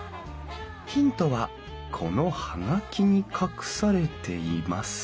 ヒントはこの葉書に隠されています。